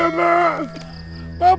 papi selamat mengalami